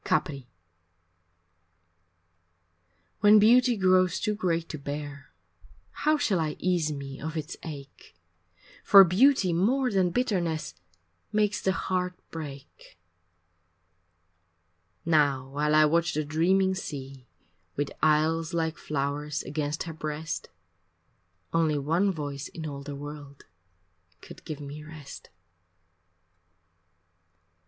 IV Capri When beauty grows too great to bear How shall I ease me of its ache, For beauty more than bitterness Makes the heart break. Now while I watch the dreaming sea With isles like flowers against her breast, Only one voice in all the world Could give me rest.